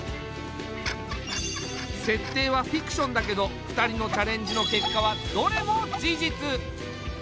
設定はフィクションだけど２人のチャレンジの結果はどれも事実。